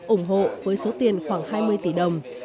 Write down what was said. ủng hộ với số tiền khoảng hai mươi tỷ đồng